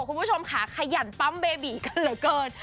คุณผู้ชมค่ะขยันปั๊มเบบีกันเหลือเกิน